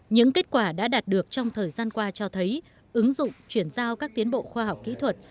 những kết quả đã đạt được trong thời gian qua cho thấy ứng dụng chuyển giao các tiến bộ khoa học kỹ thuật